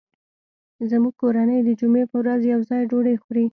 زموږ کورنۍ د جمعې په ورځ یو ځای ډوډۍ خوري